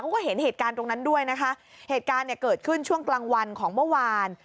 เขาก็เห็นเหตุการณ์ตรงนั้นด้วยนะคะเหตุการณ์เนี่ยเกิดขึ้นช่วงกลางวันของเมื่อวาน